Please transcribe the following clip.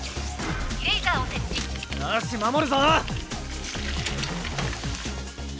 「イレイザーを設置」よし守るぞ！